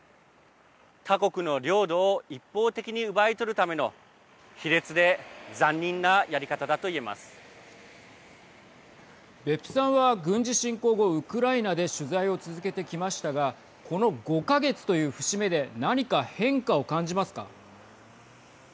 他国の領土を一方的に奪い取るための卑劣で残忍な別府さんは、軍事侵攻後ウクライナで取材を続けてきましたがこの５か月という節目で何か変化を感じますか。